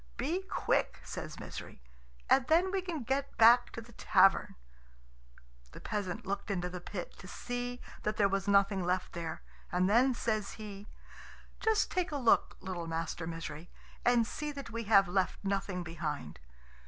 "Be quick," says Misery; "and then we can get back to the tavern." The peasant looked into the pit to see that there was nothing left there, and then says he, "Just take a look, little Master Misery, and see that we have left nothing behind.